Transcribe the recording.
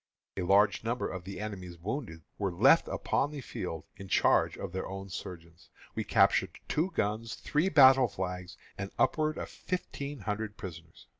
A large number of the enemy's wounded were left upon the field in charge of their own surgeons. We captured two guns, three battle flags, and upward of fifteen hundred prisoners.